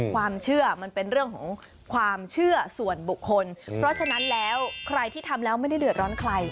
ความเชื่อมันเป็นเรื่องของความเชื่อส่วนบุคคลเพราะฉะนั้นแล้วใครที่ทำแล้วไม่ได้เดือดร้อนใคร